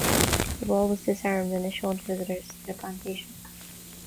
The ball was disarmed and is shown to visitors to the plantation.